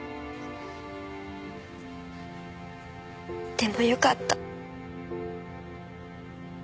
でもよかった。